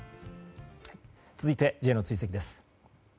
続いて、Ｊの追跡です。